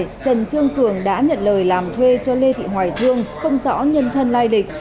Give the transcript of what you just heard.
trần trương cường đã nhận lời làm thuê cho lê thị hoài thương không rõ nhân thân lai lịch